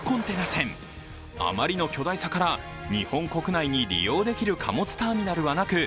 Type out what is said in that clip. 船あまりの巨大さから日本国内に利用できる貨物ターミナルはなく